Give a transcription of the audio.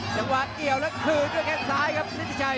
จังหวะเกี่ยวแล้วคืนด้วยแค่งซ้ายครับฤทธิชัย